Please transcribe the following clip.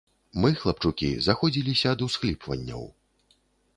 Мы, хлапчукі, заходзіліся ад усхліпванняў.